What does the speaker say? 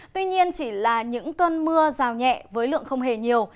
tuy nhiên chỉ là những cơn mưa rào nhẹ với lượng không hề nhiều